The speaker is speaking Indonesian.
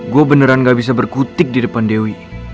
gue beneran gak bisa berkutik di depan dewi